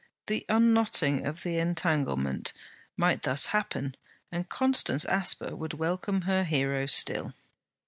The unknotting of the entanglement might thus happen and Constance Asper would welcome her hero still.